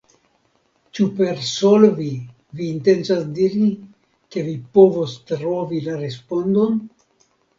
Ĉu per solvi vi intencas diri ke vi povos trovi la respondon?